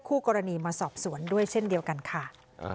คู่กรณีมาสอบสวนด้วยเช่นเดียวกันค่ะ